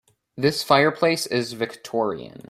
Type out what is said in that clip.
This fireplace is Victorian.